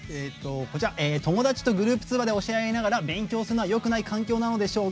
「友達とグループ通話で教えあいながら勉強をするのはよくない環境なんでしょうか？」。